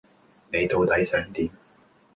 你到底想點？